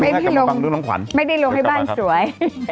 ไม่ได้ลงไม่ได้ลงให้บ้านสวย